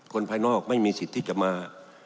ภายนอกไม่มีสิทธิ์ที่จะมา